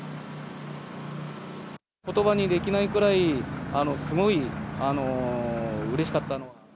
ことばにできないくらい、すごいうれしかった。